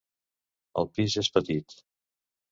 El pis és petit.